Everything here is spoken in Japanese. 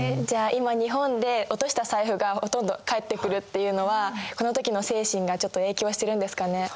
じゃあ今日本で落とした財布がほとんど返ってくるっていうのはこの時の精神がちょっと影響してるんですかね？